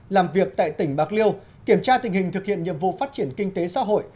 làm việc tại tỉnh bạc liêu kiểm tra tình hình thực hiện nhiệm vụ phát triển kinh tế xã hội